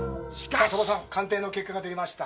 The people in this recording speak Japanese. さあ、鳥羽さん、鑑定の結果が出ました。